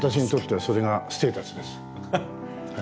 はい。